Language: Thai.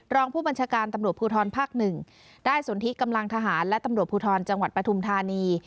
รองผู้บัญชาการตำรวจภูทรภาคหนึ่งได้สนทิกำลังทหารและตำรวจภูทรจังหวัดปฐุมธานี